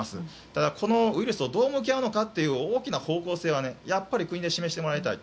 ただ、このウイルスとどう向き合うのかという大きな方向性はやっぱり国で示してもらいたい。